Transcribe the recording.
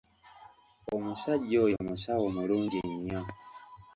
Omusajja oyo musawo mulungi nnyo.